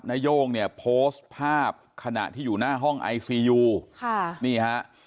นาย่งเนี่ยโพสต์ภาพขณะที่อยู่หน้าห้องไอซียูค่ะนี่ฮะ